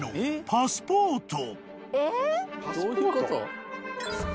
パスポート？